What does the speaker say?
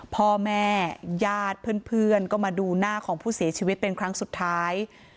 พ่อแม่ญาติเพื่อนก็มาดูหน้าของผู้เสียชีวิตเป็นครั้งสุดท้าย